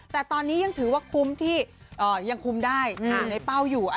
แต่ตอนนี้ยังถือว่าคุ้มที่ยังคุมได้อยู่ในเป้าอยู่